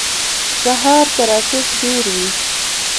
سهار ترافیک ډیر وی